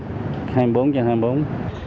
đi qua bình thường